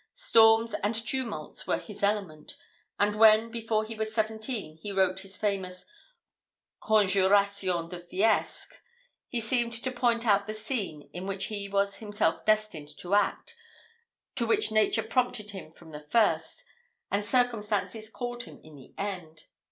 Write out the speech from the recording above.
Storms and tumults were his element; and when, before he was seventeen, he wrote his famous "Conjuration de Fiesque," he seemed to point out the scene in which he was himself destined to act, to which nature prompted him from the first, and circumstances called him in the end.